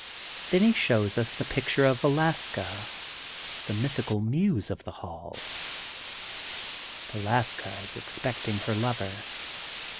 Then he shows us the picture of Velaska, the mythical muse of the HalL Velaska is expecting her lover.